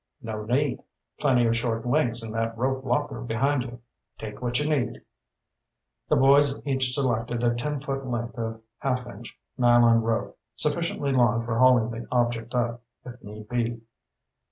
"No need. Plenty of short lengths in that rope locker behind you. Take what you need." The boys each selected a ten foot length of half inch nylon rope, sufficiently long for hauling the object up, if need be.